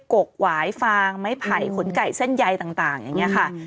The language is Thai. กกหวายฟางไม้ไผ่ขนไก่เส้นใยต่างอย่างนี้ค่ะ